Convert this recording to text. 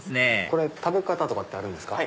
これ食べ方ってあるんですか？